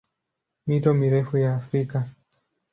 Mito mirefu ya Afrika